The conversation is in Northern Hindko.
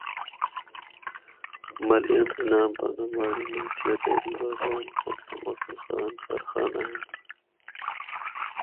محلیاں دے ناں بھانہ ماڑی، نوتھیہ، ڈھیری باغبان، کوٹلہ محسن خان، چارخانہ ہن۔